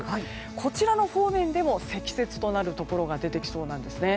こちらの方面でも積雪となるところが出てきそうなんですね。